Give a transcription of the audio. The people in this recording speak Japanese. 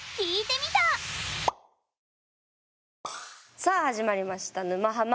さあ始まりました「沼ハマ」。